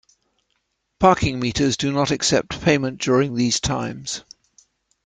Parking meters do not accept payment during these times.